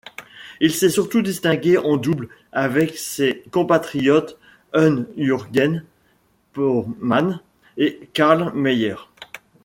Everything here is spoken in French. Il s'est surtout distingué en double avec ses compatriotes Hans-Jürgen Pohmann et Karl Meiler.